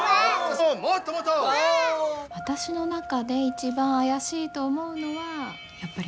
私の中で一番怪しいと思うのはやっぱり萌先生。